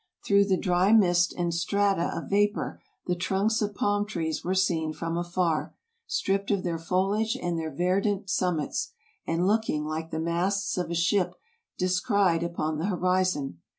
Through the dry mist and strata of vapor the trunks of palm trees were seen from afar, stripped of their foliage and their verdant summits, and look ing like the masts of a ship descried upon the horizon.